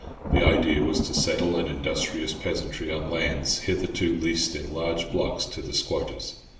The idea was to settle an industrious peasantry on lands hitherto leased in large blocks to the squatters.